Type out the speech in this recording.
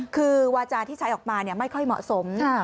คือวาจาที่ใช้ออกมาไม่ค่อยเหมาะสม